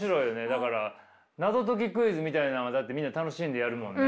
だから謎解きクイズみたいなのはだってみんな楽しんでやるもんね。